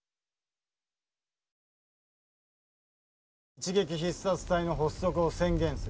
一撃必殺隊の発足を宣言する。